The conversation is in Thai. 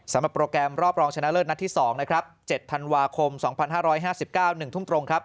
โปรแกรมรอบรองชนะเลิศนัดที่๒นะครับ๗ธันวาคม๒๕๕๙๑ทุ่มตรงครับ